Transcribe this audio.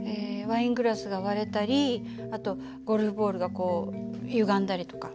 ワイングラスが割れたりあとゴルフボールがこうゆがんだりとか。